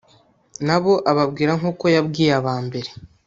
na bo ababwira nk'uko yabwiye aba mbere